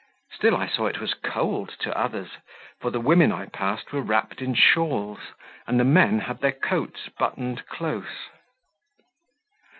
Still I saw it was cold to others, for the women I passed were wrapped in shawls, and the men had their coats buttoned close.